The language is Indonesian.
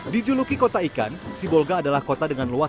dijuluki kota ikan sibolga adalah kota dengan luas